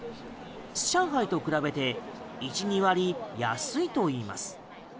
上海と比べて１２割安いといいます。